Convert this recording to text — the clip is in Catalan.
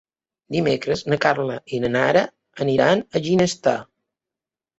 Dimecres na Carla i na Nara aniran a Ginestar.